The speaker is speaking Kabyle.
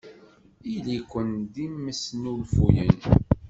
Ili-ken d imesnulfuyen!